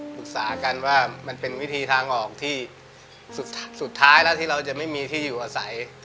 ปรึกษากันว่ามันเป็นวิธีทางออกที่สุดท้ายแล้วที่เราจะไม่มีที่อยู่อาศัย